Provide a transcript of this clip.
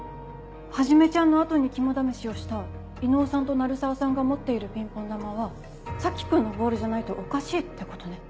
はじめちゃんの後に肝試しをした伊能さんと鳴沢さんが持っているピンポン球は佐木君のボールじゃないとおかしいってことね。